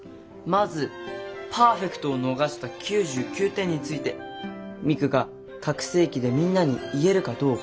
まずパーフェクトを逃した９９点についてミクが拡声機でみんなに言えるかどうか。